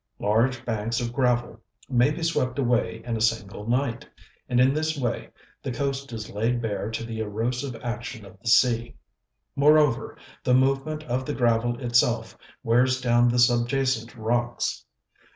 Large banks of gravel may be swept away in a single night, and in this way the coast is laid bare to the erosive action of the sea. Moreover, the movement of the gravel itself wears down the subjacent rocks.